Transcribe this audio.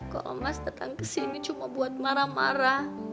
kok mas datang kesini cuma buat marah marah